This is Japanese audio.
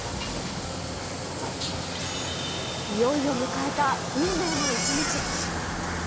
いよいよ迎えた運命の一日。